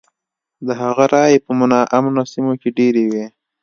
د هغه رایې په نا امنه سیمو کې ډېرې وې.